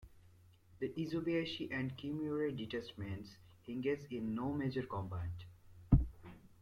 The Isobayashi and Kimura detachments engaged in no major combat.